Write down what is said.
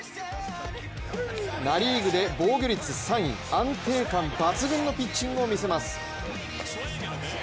ナ・リーグで防御率３位、安定感抜群のピッチングを見せます。